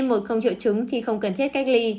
m một không triệu chứng thì không cần thiết cách ly